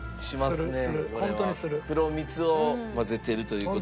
黒蜜を混ぜているという事で。